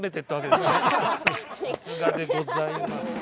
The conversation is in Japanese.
さすがでございます。